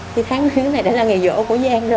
thì tháng thứ này đã là nghề vỗ của giang rồi